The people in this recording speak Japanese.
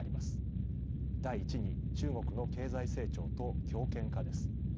第１に中国の経済成長と強権化です。